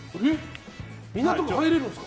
港区入れるんですか？